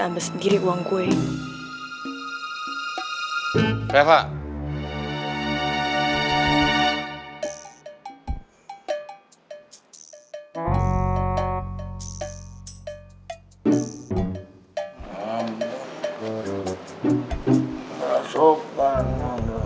adds terus dikenege vera dan aku di deer lake